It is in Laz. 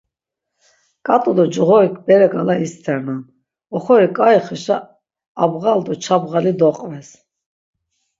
K̆at̆u do coğorik bere k̆ala isternan, oxori k̆aixeşa abğal do çabğali doqves.